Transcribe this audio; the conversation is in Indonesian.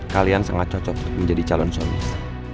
kalian sengaja cocok menjadi calon suamis